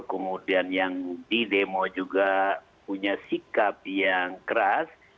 kemudian yang di demo juga punya sikap yang keras